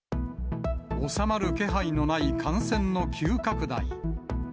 収まる気配のない感染の急拡大。